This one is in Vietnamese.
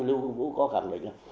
lưu quang vũ có khẳng định là